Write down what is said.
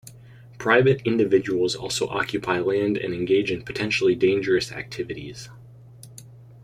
Private individuals also occupy land and engage in potentially dangerous activities.